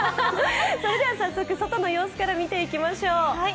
早速、外の様子から見ていきましょう。